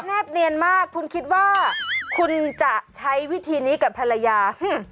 แบเนียนมากคุณคิดว่าคุณจะใช้วิธีนี้กับภรรยา